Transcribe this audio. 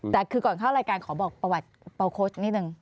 แต่คือก่อนเข้ารายการขอบอกประวัติเอาโค้ชนิดนึง